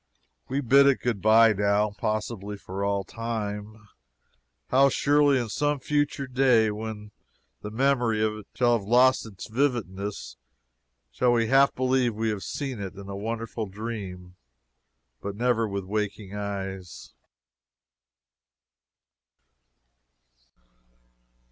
We bid it good bye, now possibly for all time. How surely, in some future day, when the memory of it shall have lost its vividness, shall we half believe we have seen it in a wonderful dream, but never with waking eyes!